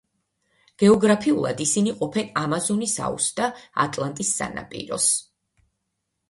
გეოგრაფიულად ისინი ყოფენ ამაზონის აუზს და ატლანტის სანაპიროს.